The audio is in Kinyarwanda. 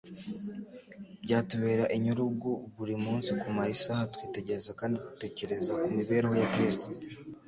Byatubera inyurugu buri munsi kumara isaha twitegereza kandi dutekereza ku mibereho ya Kristo.